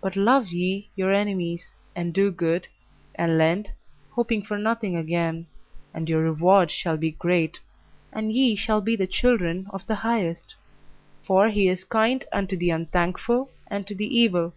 But love ye your enemies, and do good, and lend, hoping for nothing again; and your reward shall be great, and ye shall be the children of the Highest: for he is kind unto the unthankful and to the evil.